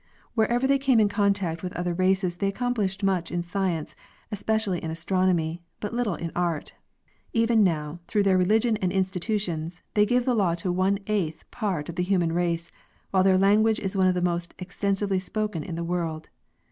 Wher ever they came in contact with other races they accomplished much in science, especially in astronomy, but little in art, Even now, through their religion and institutions, they give the law to one eighth part of the human race, while their language is one of the most extensively spoken in the world.